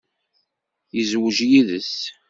Yezweǧ yid-s.